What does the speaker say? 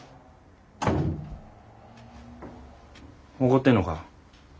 怒ってんのか。